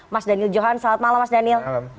mas daniel johan selamat malam mas daniel